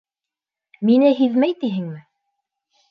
Мине һиҙмәй тиһеңме?